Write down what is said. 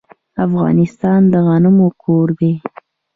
افغانستان د غنمو کور دی.